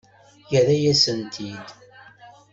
Yerra-yasen-t-id.